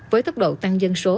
với tốc độ tăng dân số